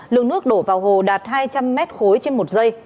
lượng nước đổ vào hồ đạt hai trăm linh m khối trên một giây